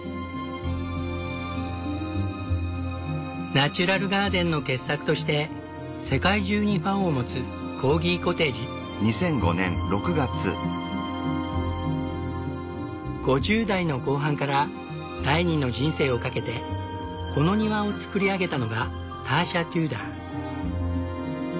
ナチュラルガーデンの傑作として世界中にファンを持つ５０代の後半から第二の人生をかけてこの庭を造り上げたのがターシャ・テューダー。